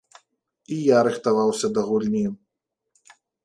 І я рыхтаваўся да гульні.